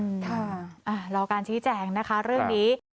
ค่ะรอการชี้แจงนะคะเรื่องนี้